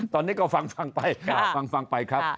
ตอนนี้ก็ฟังไปครับ